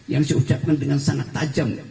yang saya ucapkan dengan sangat tajam